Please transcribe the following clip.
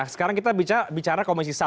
sekarang kita bicara komisi satu